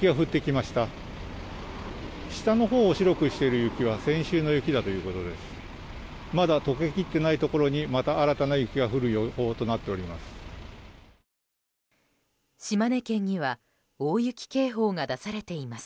まだ解けきっていないところにまた新たな雪が降る予報となっています。